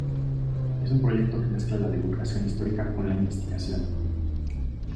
Es un proyecto que mezcla la divulgación histórica con la investigación.